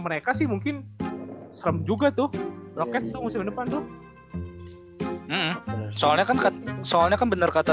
mereka sih mungkin serem juga tuh loket tuh musim depan tuh soalnya kan soalnya kan bener kata